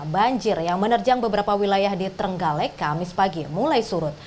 banjir yang menerjang beberapa wilayah di trenggalek kamis pagi mulai surut